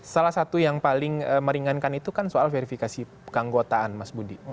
salah satu yang paling meringankan itu kan soal verifikasi keanggotaan mas budi